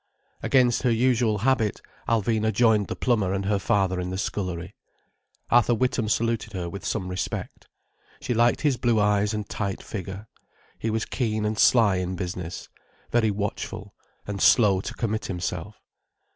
Against her usual habit, Alvina joined the plumber and her father in the scullery. Arthur Witham saluted her with some respect. She liked his blue eyes and tight figure. He was keen and sly in business, very watchful, and slow to commit himself.